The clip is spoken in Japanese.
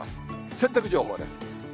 洗濯情報です。